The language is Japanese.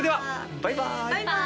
バイバーイ！